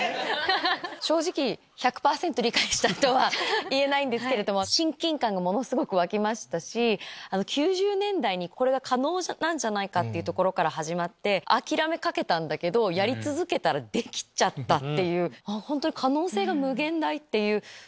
正直１００％理解したとは言えないんですけれども親近感がものすごく湧きましたし９０年代にこれが可能じゃないかってところから始まって諦めかけたんだけどやり続けたらできちゃったって。